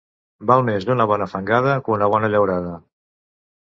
Val més una bona fangada que una bona llaurada.